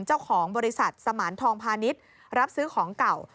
เจ้าของบริษัทสมานทองพาณิชย์รับซื้อของเก่า